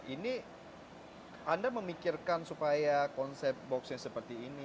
ini anda memikirkan supaya konsep boxnya seperti ini